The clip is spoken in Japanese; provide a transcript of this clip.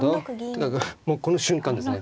とにかくもうこの瞬間ですね。